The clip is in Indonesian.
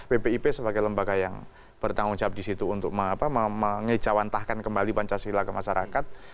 bpip sebagai lembaga yang bertanggung jawab di situ untuk mengejawantahkan kembali pancasila ke masyarakat